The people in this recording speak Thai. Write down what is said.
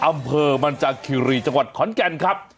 อำเภอมันจากคิรีจังหวัดขอนแก่นครับ